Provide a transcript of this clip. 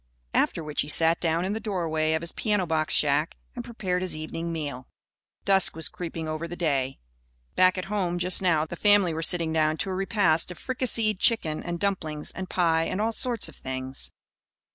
After which he sat down in the doorway of his piano box shack and prepared his evening meal. Dusk was creeping over the day. Back at home, just now, the family were sitting down to a repast of fricasseed chicken and dumplings and pie and all sorts of things.